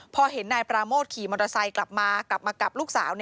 พอเห็นนายปราโมทขี่มอเตอร์ไซค์กลับมากลับมากับลูกสาว